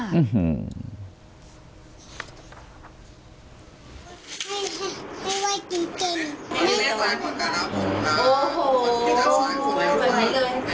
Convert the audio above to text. เห็นไหมเลย